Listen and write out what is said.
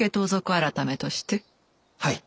はい。